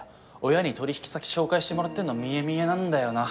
親に取引先紹介してもらってんの見え見えなんだよな